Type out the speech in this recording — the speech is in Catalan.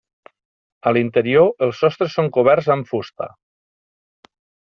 A l'interior els sostres són coberts amb fusta.